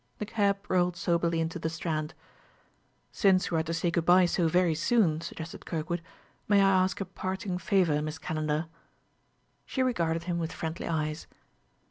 The cab rolled soberly into the Strand. "Since we are to say good by so very soon," suggested Kirkwood, "may I ask a parting favor, Miss Calendar?" She regarded him with friendly eyes.